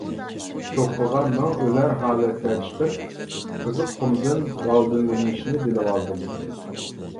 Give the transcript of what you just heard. چوققىغا مىڭ ئۆلەر ھالەتتە چىقىپ، قىزىق قۇمدىن دالدىلىنىشنى بىلىۋالدىم.